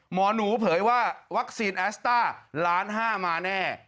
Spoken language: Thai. หมอหนูเผยว่าวัคซีนแอสต้าล้านห้ามาแน่